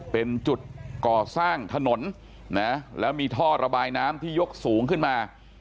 เป็นจุดก่อสร้างถนนนะแล้วมีท่อระบายน้ำที่ยกสูงขึ้นมา